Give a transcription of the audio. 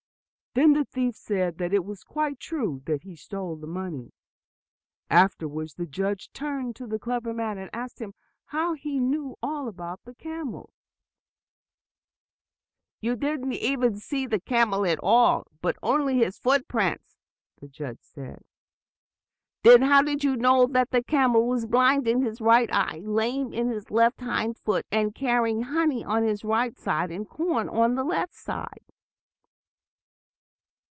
Then the thief said that it was quite true that he stole the money. Afterwards the judge turned to the clever man and asked him how he knew all that about the camel. "You didn't see the camel at all, but only his footprints," the judge said. "Then how did you know that the camel was blind in his right eye, lame in his left hind foot, and carrying honey on the right side, and corn on the left side?"